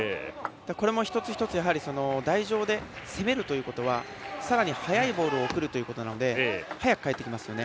これも一つ一つ台上で攻めるということはさらに速いボールを送るということで速く刈ってきますよね。